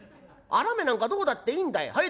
あらめなんかどうだっていいんだよ。